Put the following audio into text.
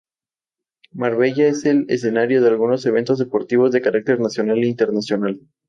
Marbella es el escenario de algunos eventos deportivos de carácter nacional e internacional.